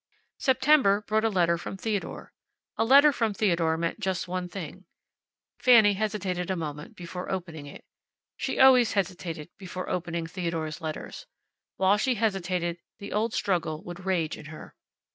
September brought a letter from Theodore. A letter from Theodore meant just one thing. Fanny hesitated a moment before opening it. She always hesitated before opening Theodore's letters. While she hesitated the old struggle would rage in her.